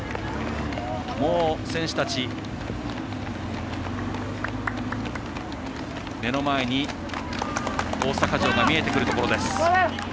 選手たち、目の前に大阪城が見えてくるところです。